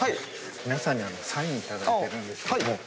皆さんにサイン頂いてるんです。